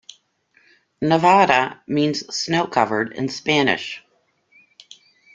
"Nevada" means "snow-covered" in Spanish.